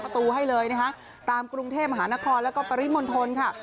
ก็ไปเร็วสินะคะตามกรุงเทพฯมหานครและปริมส์มลธนค่ะ